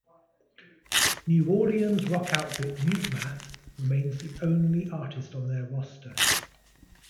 New Orleans rock outfit Mutemath remains the only artist on their roster.